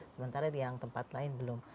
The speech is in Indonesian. sementara di yang tempat lain belum